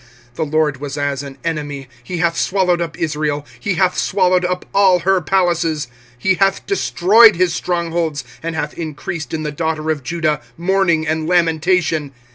25:002:005 The LORD was as an enemy: he hath swallowed up Israel, he hath swallowed up all her palaces: he hath destroyed his strong holds, and hath increased in the daughter of Judah mourning and lamentation.